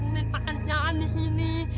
minta kerjaan di sini